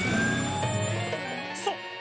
そう。